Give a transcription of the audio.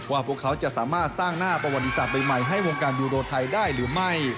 พวกเขาจะสามารถสร้างหน้าประวัติศาสตร์ใหม่ให้วงการยูโรไทยได้หรือไม่